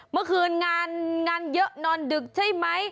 เมื่อคืนงานเยอะนอนดึกใช่ไหม